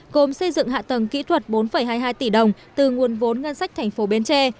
gồm xây dựng hạ tầng kỹ thuật bốn hai mươi hai tỷ đồng từ nguồn vốn ngân sách thành phố bến tre